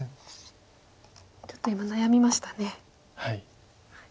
ちょっと今悩みましたね。